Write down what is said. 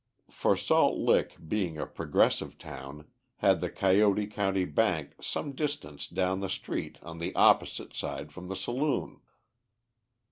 For Salt Lick, being a progressive town, had the Coyote County Bank some distance down the street on the opposite side from the saloon.